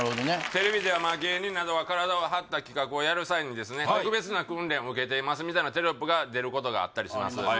テレビでは芸人などが体を張った企画をやる際にですねみたいなテロップが出ることがあったりします